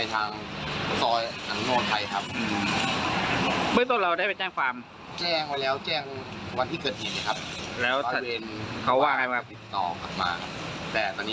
อ๋อตำรวจยังไม่ได้ติดต่อมาเลย